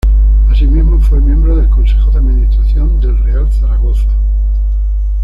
Asimismo, fue miembro del Consejo de Administración del Real Zaragoza.